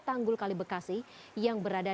tanggul kali bekasi yang berada